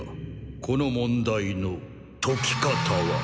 この問題の解き方は！